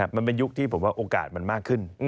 มันเป็นยุคที่ผมว่าโอกาสมันมากขึ้น